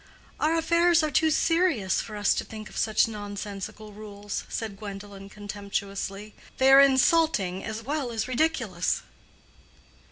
"Our affairs are too serious for us to think of such nonsensical rules," said Gwendolen, contemptuously. "They are insulting as well as ridiculous."